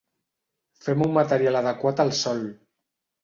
Fem un material adequat al sòl.